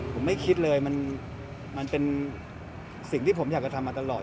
ผมไม่คิดเลยมันเป็นสิ่งที่ผมอยากจะทำมาตลอด